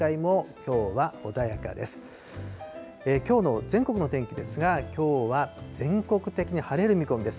きょうの全国の天気ですが、きょうは全国的に晴れる見込みです。